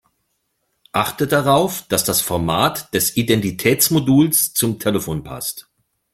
Achte darauf, dass das Format des Identitätsmoduls zum Telefon passt.